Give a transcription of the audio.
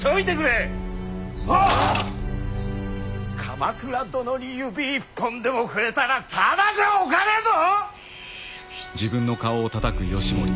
鎌倉殿に指一本でも触れたらただじゃおかねえぞ！